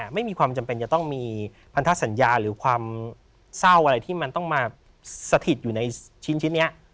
ไม่มีความจำเป็นจะต้องมีพันธสัญญาหรือความเศร้าอะไรที่มันต้องมาสถิตอยู่ในชิ้นนี้